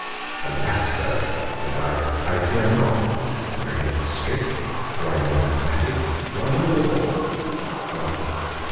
'Alas, Sir, (said I,) I fear not. Do I know history? Do I know mathematicks? Do I know law?' JOHNSON.